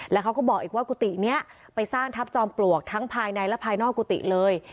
แล้วเขาก็บอกอีกว่ากุฏินี้ไปสร้างทัพจอมปลวกทั้งภายในและภายนอกกุฏิเลย